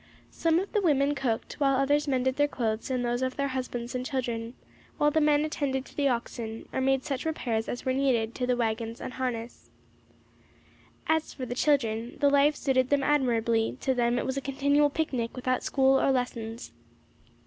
Some of the women cooked, while others mended their clothes and those of their husbands and children, while the men attended to the oxen, or made such repairs as were needed to the waggons and harness. As for the children, the life suited them admirably; to them it was a continual picnic, without school or lessons.